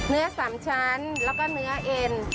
เนื้อสามชั้นแล้วก็เนื้อเอ็น